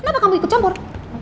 kenapa kamu ikut campur